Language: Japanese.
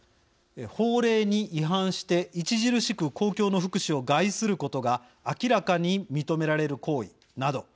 「法令に違反して著しく公共の福祉を害することが明らかに認められる行為」など。